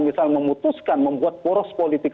misal memutuskan membuat poros politik